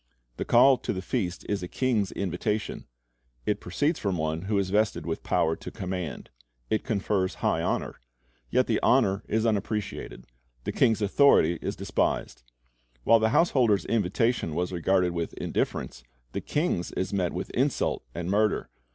The call to the feast is a king's invitation. It proceeds from one who is vested with power to command. It confers high honor. Yet the honor is unappreciated. The king's authority is despised. While the householder's invitation was regarded with indifference, the king's is met with insult and murder.